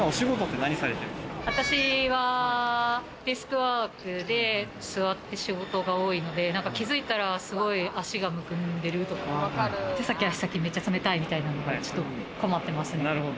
私はデスクワークで座って仕事が多いので、気づいたら足がむくんでるとか、手先足先、めっちゃ冷たいみたいのが困ってます。